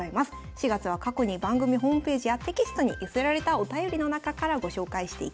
４月は過去に番組ホームページやテキストに寄せられたお便りの中からご紹介していきます。